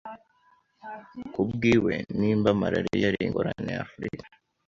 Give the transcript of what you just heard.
Kubw'iwe , "nimba malaria ari ingorane ya Afrika